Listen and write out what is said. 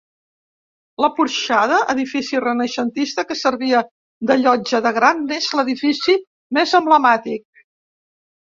La Porxada, edifici renaixentista que servia de llotja de gra, n'és l'edifici més emblemàtic.